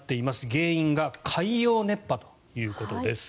原因が海洋熱波ということです。